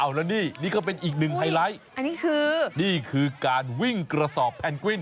แล้วนี่นี่ก็เป็นอีกหนึ่งไฮไลท์อันนี้คือนี่คือการวิ่งกระสอบแพนกวิน